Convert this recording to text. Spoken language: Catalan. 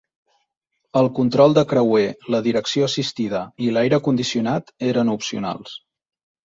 El control de creuer, la direcció assistida i l"aire condicionat eren opcionals.